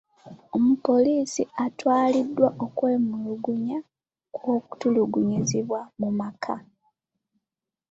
Omupoliisi atwaliddwa okwemulugunya kw'okutulugunyizibwa mu maka.